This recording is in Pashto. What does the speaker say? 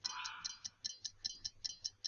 بد عمل شرم زېږوي.